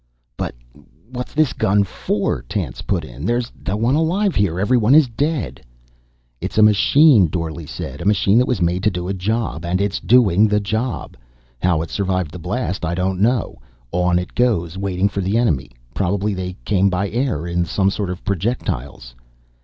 "But what's this gun for?" Tance put in. "There's no one alive here. Everyone is dead." "It's a machine," Dorle said. "A machine that was made to do a job. And it's doing the job. How it survived the blast I don't know. On it goes, waiting for the enemy. Probably they came by air in some sort of projectiles."